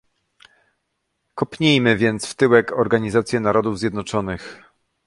Kopnijmy więc w tyłek Organizację Narodów Zjednoczonych